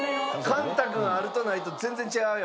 乾太くんあるとないと全然違うよ。